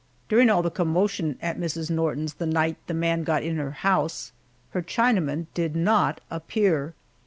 During all the commotion at Mrs. Norton's the night the man got in her house, her Chinaman did not appear.